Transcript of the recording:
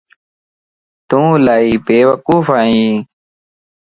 تون الائي بيوقوف ائين